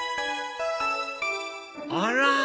あら！